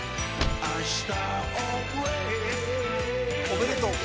おめでとう。